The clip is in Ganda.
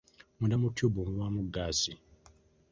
Munda mu tyubu mubaamu ggaasi